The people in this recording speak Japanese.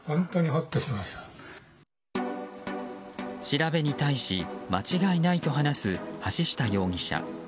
調べに対し間違いないと話す橋下容疑者。